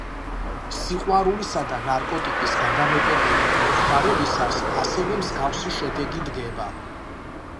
სიყვარულისა და ნარკოტიკის გადამეტებული „მოხმარებისას“ ასევე მსგავსი შედეგი დგება.